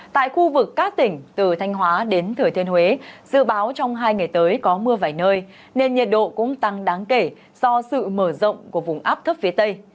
tại khu vực các tỉnh từ thanh hóa đến thừa thiên huế dự báo trong hai ngày tới có mưa vài nơi nên nhiệt độ cũng tăng đáng kể do sự mở rộng của vùng áp thấp phía tây